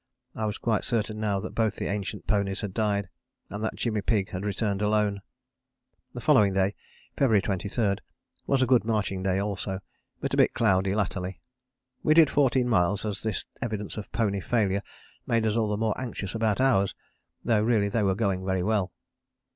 I was quite certain now that both the ancient ponies had died and that Jimmy Pigg had returned alone. The following day (February 23) was a good marching day also, but a bit cloudy latterly. We did fourteen miles as this evidence of pony failure made us all the more anxious about ours, though really they were going very well.